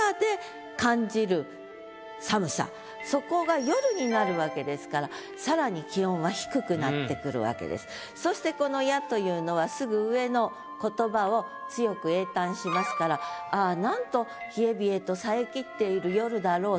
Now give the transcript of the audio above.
そこが「夜」になるわけですからそしてこの「や」というのはすぐ上の言葉を強く詠嘆しますからああなんと冷え冷えと冴えきっている夜だろうと。